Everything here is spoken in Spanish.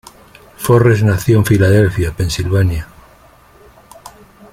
Forrest nació en Filadelfia, Pennsylvania.